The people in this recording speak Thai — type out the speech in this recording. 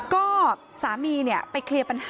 ก็สามี